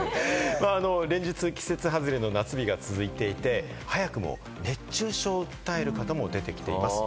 連日、季節外れの暑さが続いていて、早くも熱中症を訴える方が出てきています。